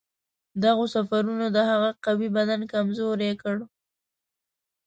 دغو سفرونو د هغه قوي بدن کمزوری کړ.